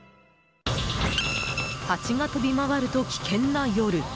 ハチが飛び回ると危険な夜。